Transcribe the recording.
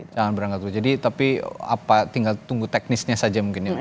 jangan berangkat tuh tapi apa tinggal tunggu teknisnya saja mungkin ya